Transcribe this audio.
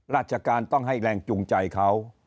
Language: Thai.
ราชการต้องให้แรงจูงใจเขา